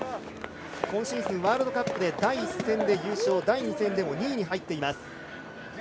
今シーズンワールドカップ第１戦で優勝第２戦でも２位に入っています。